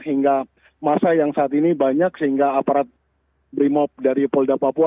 hingga masa yang saat ini banyak sehingga aparat brimop dari polda papua